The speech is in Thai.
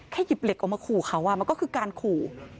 หยิบเหล็กออกมาขู่เขามันก็คือการขู่